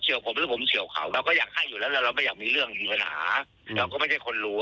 เฉลี่ยไปแค่นี้จะเอาจากเป็นแสนไม่ไหว